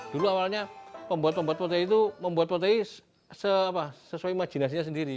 dulu awalnya pembuat pembuat protein itu membuat protein sesuai imajinasinya sendiri